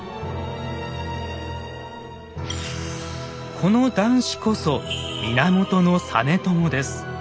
この男子こそ源実朝です。